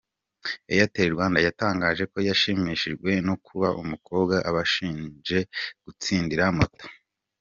Airtel Rwanda yatangaje ko yashimishijwe no kuba umukobwa abashije gutsindira Moto.